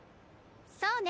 そうね。